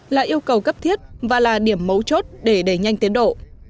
là yêu cầu cấp thiết và là điểm mấu chốt để đẩy nhanh tiến độ